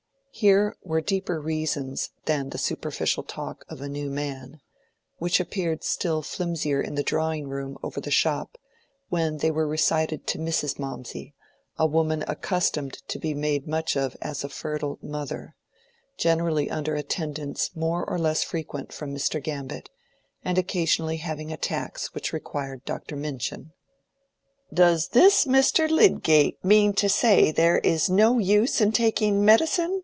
Here were deeper reasons than the superficial talk of a new man, which appeared still flimsier in the drawing room over the shop, when they were recited to Mrs. Mawmsey, a woman accustomed to be made much of as a fertile mother,—generally under attendance more or less frequent from Mr. Gambit, and occasionally having attacks which required Dr. Minchin. "Does this Mr. Lydgate mean to say there is no use in taking medicine?"